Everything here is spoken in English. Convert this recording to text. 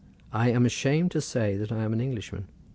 I am ashamed to say that I am an Englishman."